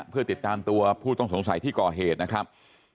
เพื่อติดตามตัวผู้ต้องสงสัยที่ก่อเหตุนะครับ